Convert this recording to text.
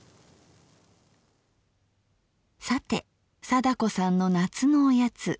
さて貞子さんの夏のおやつ。